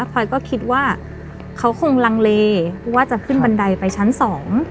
พลอยก็คิดว่าเขาคงลังเลว่าจะขึ้นบันไดไปชั้นสอง